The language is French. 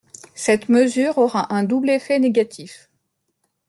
Cette mesure aura un double effet négatif.